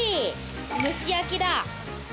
蒸し焼きだ。